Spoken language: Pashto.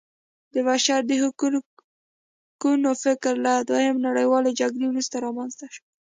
د بشر د حقونو فکر له دویمې نړیوالې جګړې وروسته رامنځته شو.